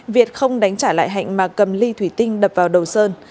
việt không đánh trả lại hạnh mà cầm ly thủy tinh đập vào đầu sơn